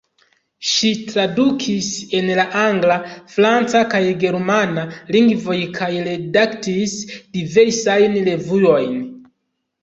Ŝi tradukis el la angla, franca kaj germana lingvoj kaj redaktis diversajn revuojn.